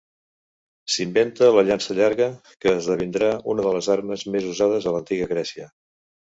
S'inventa la llança llarga, que esdevindrà una de les armes més usades a l'Antiga Grècia.